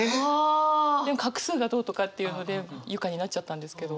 でも画数がどうとかっていうので「由佳」になっちゃったんですけど。